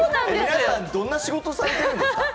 皆さん、どんな仕事されてるんですか？